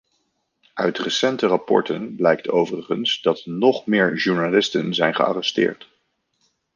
Uit recente rapporten blijkt overigens dat nog meer journalisten zijn gearresteerd.